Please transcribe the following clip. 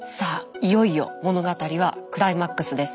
いよいよ物語はクライマックスです。